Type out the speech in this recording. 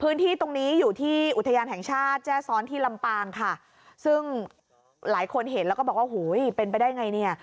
พื้นที่ตรงนี้อยู่ที่อุทยานแห่งชาติแจ้ซ้อนที่ลำปางค่ะซึ่งหลายคนเห็นแล้วก็บอกว่าหูยเป็นไปได้ไงเนี่ย